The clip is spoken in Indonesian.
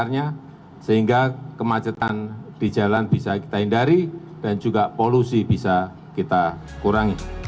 presiden joko widodo dan ibu wuni ma'ruf amin tiba di jakarta